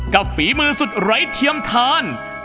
ฝีมือสุดไร้เทียมทาน